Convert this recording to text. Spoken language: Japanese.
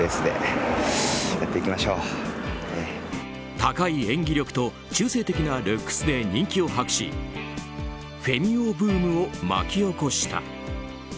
高い演技力と中性的なルックスで人気を博しフェミ男ブームを巻き起こした。